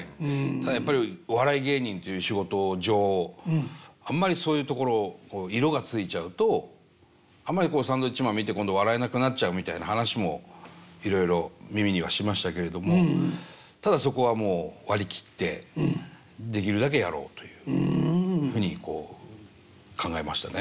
ただやっぱりお笑い芸人っていう仕事上あんまりそういうところ色がついちゃうとあんまりサンドウィッチマン見て今度は笑えなくなっちゃうみたいな話もいろいろ耳にはしましたけれどもただそこはもう割り切ってできるだけやろうというふうにこう考えましたね。